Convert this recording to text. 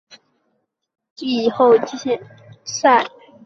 南区及北区的前四名球队晋级季后赛。